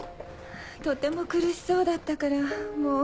とても苦しそうだったからもう。